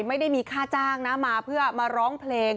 ไม่ได้มีค่าจ้างนะมาเพื่อมาร้องเพลง